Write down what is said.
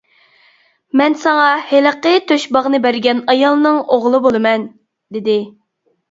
مەن ساڭا ھېلىقى تۆشباغنى بەرگەن ئايالنىڭ ئوغلى بولىمەن، دېدى.